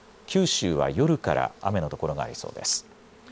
九州は夜から雨の所がありそうです。